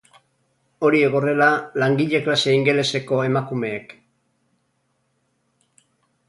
Horiek horrela, langile-klase ingeleseko emakumeek.